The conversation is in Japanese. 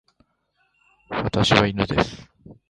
私は犬です。